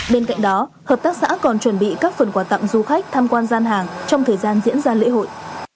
bên cạnh đó hợp tác xã còn chuẩn bị các phần quà tặng du khách tham quan gian hàng trong thời gian diễn ra lễ hội